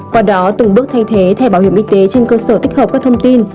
qua đó từng bước thay thế thẻ bảo hiểm y tế trên cơ sở tích hợp các thông tin